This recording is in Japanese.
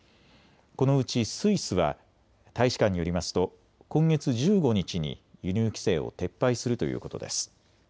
このうちスイスは大使館によりますと今月１５日に輸入規制を撤廃するということです。